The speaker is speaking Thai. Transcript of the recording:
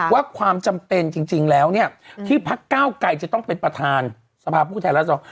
ว่าความจำเป็นจริงแล้วนี่ที่พระเก้าไก่จะต้องเป็นประธานสภาพูดแทนรัฐศิลป์